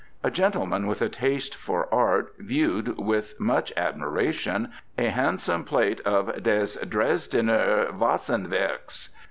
A gentleman with a taste for art viewed with much admiration a handsome plate of "des Dresdener Wassenwerks."